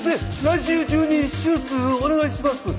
来週中に手術お願いします